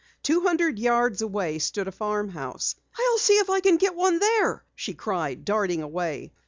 Two hundred yards away stood a farmhouse. "I'll see if I can get one there!" she cried, darting away.